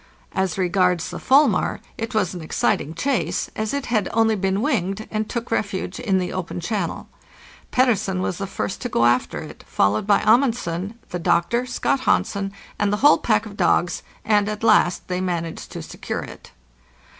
As regards the fulmar, it was an exciting chase, as it had only been winged, and took refuge in the open channel. Petter sen was the first to go after it, followed by Amundsen, the doctor, Scott Hansen, and the whole pack of dogs, and at last they managed to secure it.